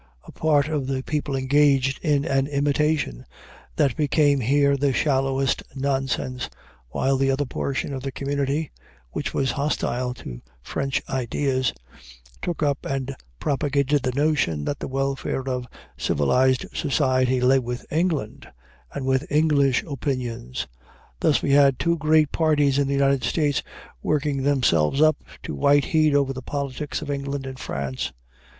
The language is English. A part of the people engaged in an imitation that became here the shallowest nonsense, while the other portion of the community, which was hostile to French ideas, took up and propagated the notion that the welfare of civilized society lay with England and with English opinions. Thus we had two great parties in the United States, working themselves up to white heat over the politics of England and France.